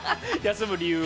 休む理由を。